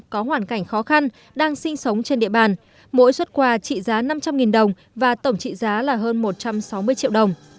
có hoàn cảnh khó khăn đang sinh sống trên địa bàn mỗi xuất quà trị giá năm trăm linh đồng và tổng trị giá là hơn một trăm sáu mươi triệu đồng